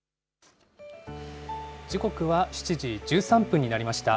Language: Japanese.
時刻は７時１３分になりました。